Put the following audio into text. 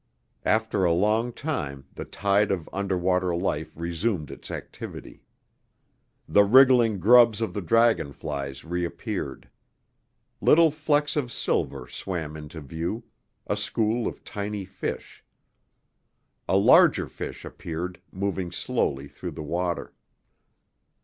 After a long time the tide of underwater life resumed its activity. The wriggling grubs of the dragonflies reappeared. Little flecks of silver swam into view a school of tiny fish. A larger fish appeared, moving slowly through the water.